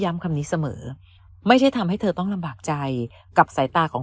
คำนี้เสมอไม่ใช่ทำให้เธอต้องลำบากใจกับสายตาของ